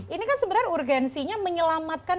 ini kan sebenarnya urgensinya menyelamatkan